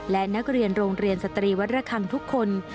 และนักเรียนโรงเรียนสตรีวัดระคังทุกคน